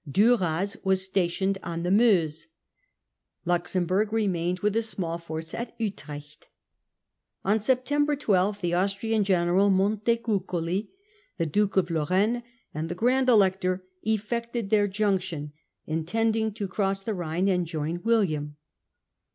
Duras was stationed on the Meuse ; Luxemburg remained with a small force at Utrecht. On September 12 the Austrian general Montecuculi, the Duke of Lorraine, and the Grand Elector effected their junction, intending to cross the Rhine and join William.